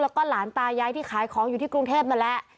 แล้วก็หลานตายายที่ขายของอยู่ที่กรุงเทพนั่นแหละ